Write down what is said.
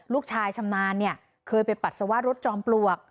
ลูกชายชำนาญเนี่ยเคยไปปัดสวรรค์รถจอมปลวก